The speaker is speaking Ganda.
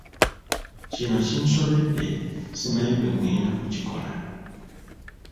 Kino kinsobedde simanyi bwe ngenda kukikola.